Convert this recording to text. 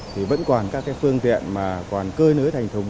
thì vẫn còn các phương tiện mà còn cơi nới thành thùng